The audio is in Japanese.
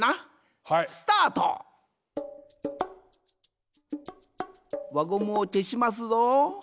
スタート！わゴムをけしますぞ。